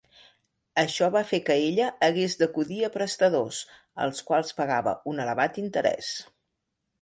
Això va fer que ella hagués d'acudir a prestadors, als quals pagava un elevat interès.